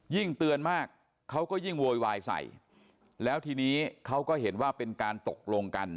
เตือนมากเขาก็ยิ่งโวยวายใส่แล้วทีนี้เขาก็เห็นว่าเป็นการตกลงกัน